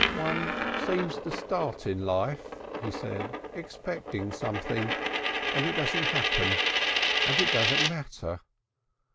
"One seems to start in life," he said, "expecting something. And it doesn't happen. And it doesn't matter.